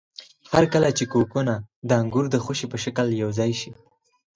هرکله چې کوکونه د انګور د خوشې په شکل یوځای شي.